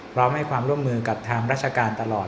พร้อมให้ความร่วมมือกับทางราชการตลอด